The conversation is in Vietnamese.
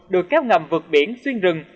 được cáp ngầm vượt biển xuyên rừng